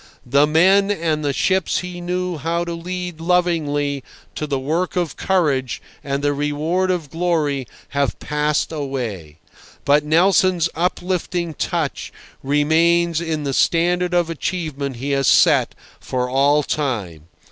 The men and the ships he knew how to lead lovingly to the work of courage and the reward of glory have passed away, but Nelson's uplifting touch remains in the standard of achievement he has set for all time.